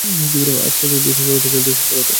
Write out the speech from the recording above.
আচ্ছা জলদি আসুন বাড়ীতে।